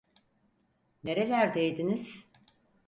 Nerelerdeydiniz?